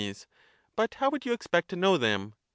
But how would you expect to know them?